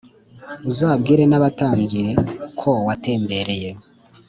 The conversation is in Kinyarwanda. uzabwire n'abaturanyi ko watembereye.